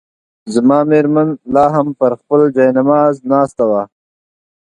زما مېرمن لا هم پر خپل جاینماز ناست وه.